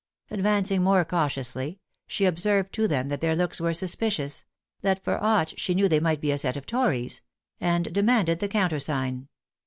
Advancing more cautiously she observed to them that their looks were suspicious; that for aught she knew they might be a set of tories; and demanded the countersign.